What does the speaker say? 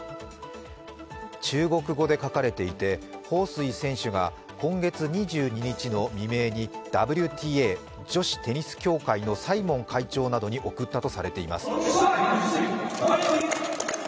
中国語で書かれていて、彭帥選手が今月２１日の未明にＷＴＡのサイモン会長などに送ったとされています。